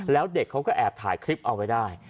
แล้วเด็กเขาก็แอบถ่ายคลิปเอาไว้ได้